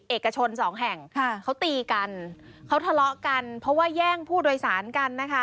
เอกชนสองแห่งค่ะเขาตีกันเขาทะเลาะกันเพราะว่าแย่งผู้โดยสารกันนะคะ